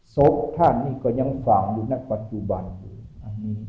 โศตรท่านนี้ก็ยังฝ่าวอยู่ในกว่าจุบัน